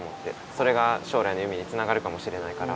それがしょう来のゆめにつながるかもしれないから。